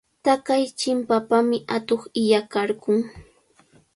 Taqay chimpapami atuq illakarqun.